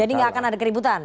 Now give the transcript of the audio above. jadi tidak akan ada keributan